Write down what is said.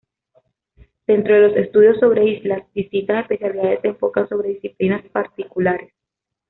Dentro de los estudios sobre islas, distintas especialidades se enfocan sobre disciplinas particulares.